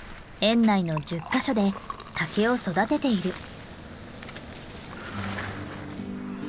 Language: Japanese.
園内の１０か所で竹を育てている。